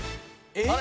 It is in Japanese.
えっ！